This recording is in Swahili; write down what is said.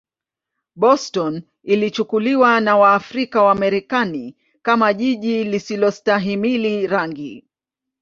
Boston ilichukuliwa na Waafrika-Wamarekani kama jiji lisilostahimili rangi.